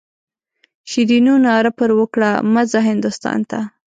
شیرینو ناره پر وکړه مه ځه هندوستان ته.